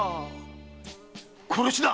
殺しだ！